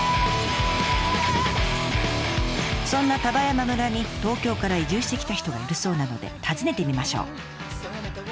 そんな丹波山村に東京から移住してきた人がいるそうなので訪ねてみましょう。